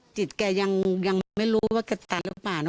จิตแกยังไม่รู้ว่ากระตานหรือเปล่านะ